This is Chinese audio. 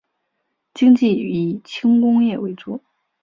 经济以轻工业为主。